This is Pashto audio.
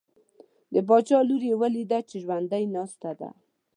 د باچا لور یې ولیده چې ژوندی ناسته ده.